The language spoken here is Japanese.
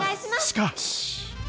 しかし。